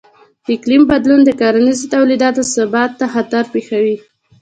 د اقلیم بدلون د کرنیزو تولیداتو ثبات ته خطر پېښوي.